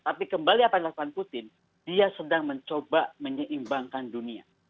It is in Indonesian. tapi kembali apa yang dilakukan putin dia sedang mencoba menyeimbangkan dunia